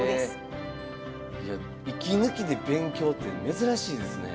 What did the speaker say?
いや息抜きで勉強って珍しいですね。